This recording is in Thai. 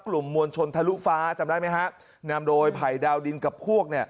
กลุ่มมวลชนทะลุฟ้าจำได้ไหมฮะนำโดยไผ่ดาวดินกับพวกเนี่ย